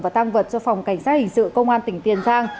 và tăng vật cho phòng cảnh sát hình sự công an tỉnh tiền giang